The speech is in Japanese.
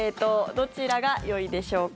どちらがよいでしょうか。